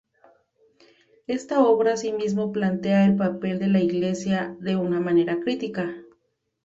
Esta obra, asimismo, plantea el papel de la Iglesia de una manera crítica.